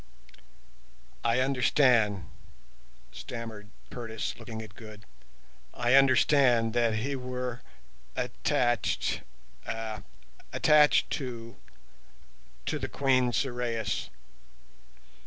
"I understood," stammered Curtis, looking at Good, "I understood that you were attached—eh—attached to—to the Queen Sorais.